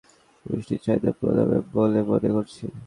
ইলিশের মাধ্যমে কম-বেশি সবারই পুষ্টির চাহিদা পূরণ হবে বলে মনে করছি।